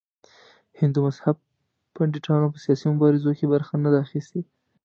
هندو مذهب پنډتانو په سیاسي مبارزو کې برخه نه ده اخیستې.